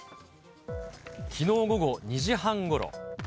きのう午後２時半ごろ。